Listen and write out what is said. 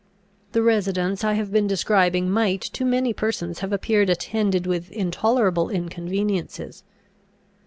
The residence I have been describing might to many persons have appeared attended with intolerable inconveniences.